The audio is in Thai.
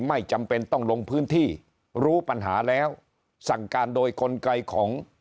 ไม่จำเป็นต้องลงพื้นที่รู้ปัญหาแล้วสั่งการโดยกลไกของ